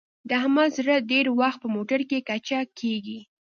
د احمد زړه ډېری وخت په موټرکې کچه کېږي.